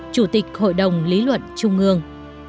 chủ tịch hội đồng lý luận trung ương